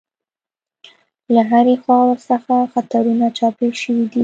له هرې خوا ورڅخه خطرونه چاپېر شوي دي.